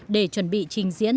để chuẩn bị trình diễn